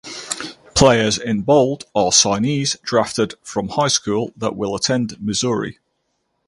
Players in bold are signees drafted from high school that will attend Missouri.